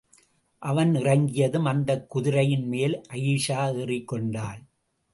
அவன் இறங்கியதும், அந்தக் குதிரையின் மேல் அயீஷா ஏறிக் கொண்டாள்.